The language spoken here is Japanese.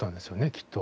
きっと。